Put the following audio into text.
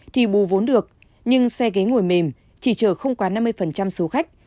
thì bù vốn được nhưng xe ghế ngồi mềm chỉ chở không quá năm mươi số khách